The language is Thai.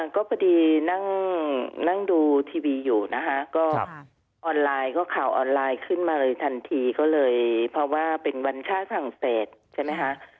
ก็พอดีนั่งดูทีวีอยู่นะคะก็ออนไลน์ก็ข่าวออนไลน์ขึ้นมาเลยทันทีก็เลยเพราะว่าเป็นวันชาติฝรั่งเศสใช่ไหมคะ